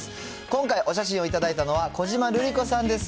今回お写真を頂いたのは、小島瑠璃子さんです。